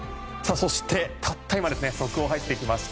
そして、たった今速報が入ってきました。